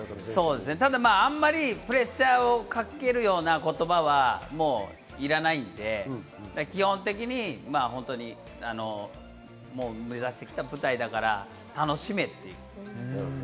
ただ、あまりプレッシャーをかけるような言葉はいらないので、基本的に目指してきた舞台だから楽しめっていう。